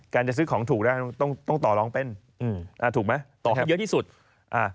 จะซื้อของถูกนะต้องต้องต่อลองเป็นอืมอ่าถูกไหมต่อให้เยอะที่สุดอ่า